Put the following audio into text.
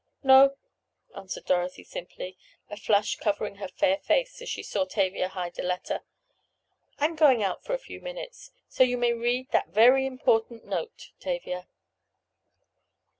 "No," answered Dorothy simply, a flush covering her fair face as she saw Tavia hide the letter. "I'm going out for a few minutes—so you may read that very important note, Tavia."